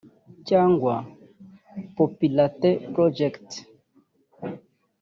cyangwa “Populatin Project”